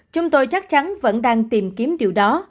chúng tôi chắc chắn vẫn đang tìm kiếm điều đó